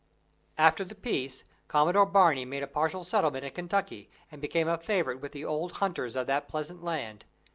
After the peace, Commodore Barney made a partial settlement in Kentucky, and became a favorite with the old hunters of that pleasant land.